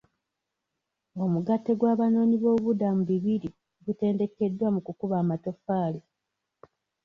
Omugatte gw'abanoonyi b'obubuddamu bibiri gutendekeddwa mu kukuba amatafaali .